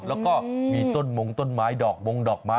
แล้วก็มีต้นมงต้นไม้ดอกมงดอกไม้